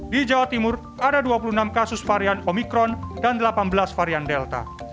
di jawa timur ada dua puluh enam kasus varian omikron dan delapan belas varian delta